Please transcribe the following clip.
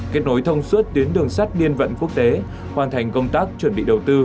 kết nối thông suốt tuyến đường sắt liên vận quốc tế hoàn thành công tác chuẩn bị đầu tư